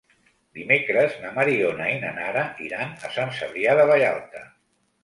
Dimecres na Mariona i na Nara iran a Sant Cebrià de Vallalta.